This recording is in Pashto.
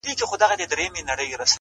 زما په مرگ دي خوشالي زاهدان هيڅ نکوي ـ